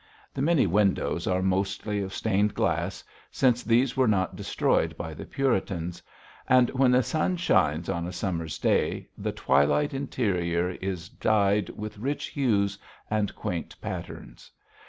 The many windows are mostly of stained glass, since these were not destroyed by the Puritans; and when the sun shines on a summer's day the twilight interior is dyed with rich hues and quaint patterns.